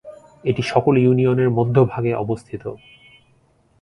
এটি সকল ইউনিয়নের মধ্যভাগে অবস্থিত।